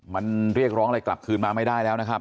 มันเรียกร้องอะไรกลับคืนมาไม่ได้แล้วนะครับ